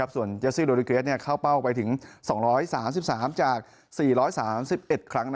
ส่วนเจสซี่โดริเกรสเข้าเป้าไปถึง๒๓๓จาก๔๓๑ครั้ง